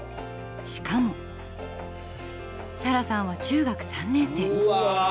しかもサラさんは中学３年生。